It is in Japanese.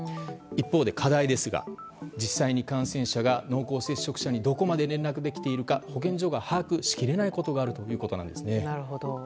一方で課題ですが実際に感染者が濃厚接触者にどこまで連絡できているか保健所が把握しきれないことがあるということなんですね。